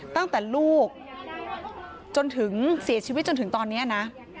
ตั้งแต่ลูกจนถึงเสียชีวิตจนถึงตอนนี้นะ